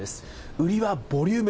売りはボリューム。